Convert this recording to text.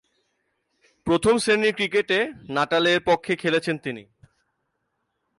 প্রথম-শ্রেণীর ক্রিকেটে নাটালের পক্ষে খেলেছেন তিনি।